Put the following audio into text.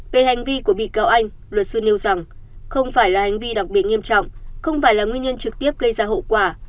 về hành vi của bị cáo anh luật sư nêu rằng không phải là hành vi đặc biệt nghiêm trọng không phải là nguyên nhân trực tiếp gây ra hậu quả